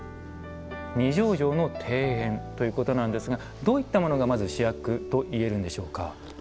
二条城の庭園ということなんですがどういったものが主役といえるんでしょうか。